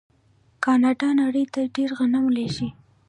کاناډا نړۍ ته ډیر غنم لیږي.